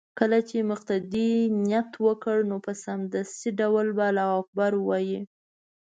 كله چې مقتدي نيت وكړ نو په سمدستي ډول به الله اكبر ووايي